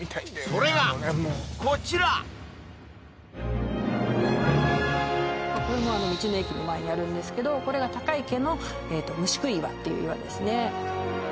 それがこちらこれも道の駅の前にあるんですけどこれが高池の虫喰岩っていう岩ですね